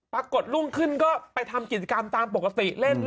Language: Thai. กรุ่งขึ้นก็ไปทำกิจกรรมตามปกติเล่น